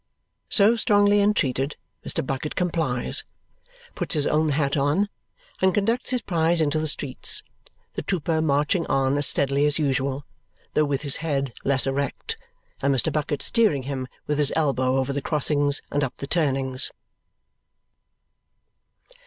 So strongly entreated, Mr. Bucket complies, puts his own hat on, and conducts his prize into the streets, the trooper marching on as steadily as usual, though with his head less erect, and Mr. Bucket steering him with his elbow over the crossings and up the turnings.